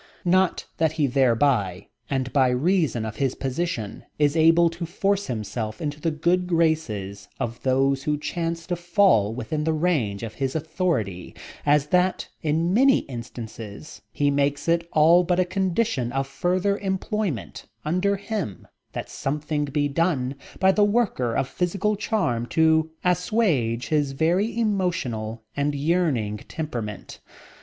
Not that he thereby, and by reason of his position, is able to force himself into the good graces of those who chance to fall within the range of his authority as that, in many instances, he makes it all but a condition of further employment under him that something be done by the worker of physical charm to assuage his very emotional and yearning temperament.